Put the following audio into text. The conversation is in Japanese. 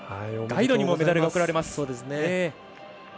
ガイドにもメダルが贈られます。